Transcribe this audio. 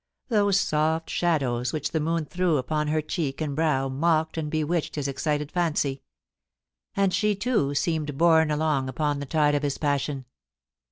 Those soft shadows which the moon threw upon her cheek and brow mocked and bewitched his excited fancy. ,.. And she, too, seemed borne along upon the tide of his passion.